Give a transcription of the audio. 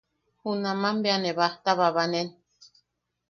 Junaman bea ne bajta babanen.